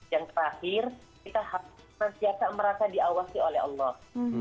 yang terakhir kita harus merasa diawasi oleh allah